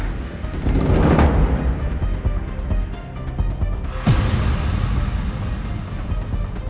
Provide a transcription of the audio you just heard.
kenapa bang iqbal sembunyi di rumah